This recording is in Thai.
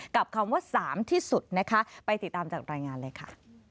คำว่า๓ที่สุดนะคะไปติดตามจากรายงานเลยค่ะ